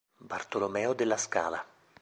Bartolomeo della Scala